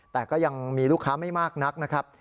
แต่ก็ยังมีลูกค้าไม่มากนักนะครับ